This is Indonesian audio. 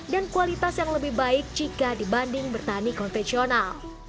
dan kualitas yang lebih baik jika dibanding bertani konvensional